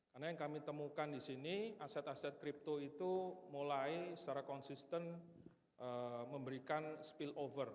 karena yang kami temukan disini aset aset crypto itu mulai secara konsisten memberikan spillover